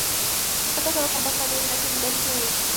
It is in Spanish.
Está casado con Paz María Ignacia Vidal y tiene dos hijos.